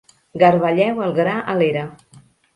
Garbelleu el gra a l'era.